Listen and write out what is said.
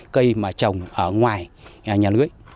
cây mà trồng ở ngoài nhà lưới